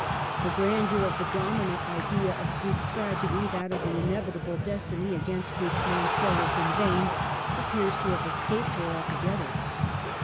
The grandeur of the dominant idea of Greek tragedy '— that, of an inevitable destiny, against which man struggles in vain — appears to have escaped her altogether.